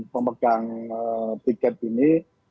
memegang tiket ini